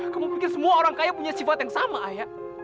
kamu pikir semua orang kaya punya sifat yang sama ayah